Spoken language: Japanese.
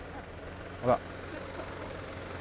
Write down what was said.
ほら。